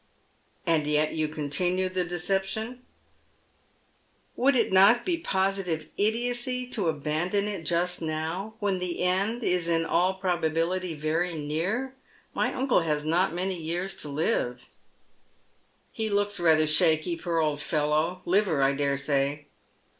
" And yet you continue the deception ?"" Would it not be positive idiocy to abandon it just now, when the end is in all probability very near ? My uncle has not many years to live." " He looks rather shaky, poor old fellow — liver, I dare say."